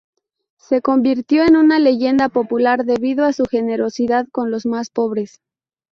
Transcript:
Se convirtió en una leyenda popular debido a su generosidad con los más pobres.